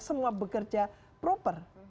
semua bekerja proper